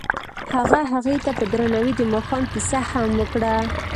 هغه هغې ته په درناوي د ماښام کیسه هم وکړه.